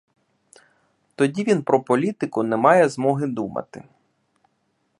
Тоді він про політику не має змоги думати.